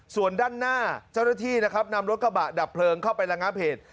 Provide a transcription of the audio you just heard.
ส่วนด้านหน้าเจ้าหน้าที่นะครับนำรถกระบะดับเพลิงเข้าไประงับเหตุ